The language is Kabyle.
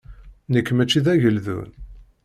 Nekk mačči d ageldun.